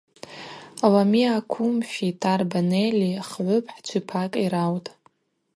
Ломиа Кумфи Тарба Неллии хгӏвыпхӏчви пакӏи раутӏ.